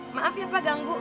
maaf ya pak ganggu